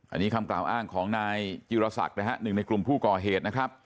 อันนี้คำกล่าวอ้างของนายจิรศักดิ์นะฮะหนึ่งในกลุ่มผู้ก่อเหตุนะครับ